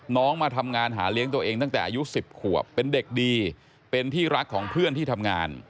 มาทำงานหาเลี้ยงตัวเองตั้งแต่อายุ๑๐ขวบเป็นเด็กดีเป็นที่รักของเพื่อนที่ทำงาน